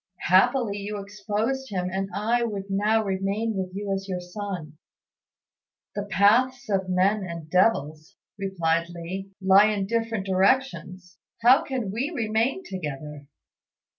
Happily you exposed him; and I would now remain with you as your son." "The paths of men and devils," replied Li, "lie in different directions. How can we remain together?"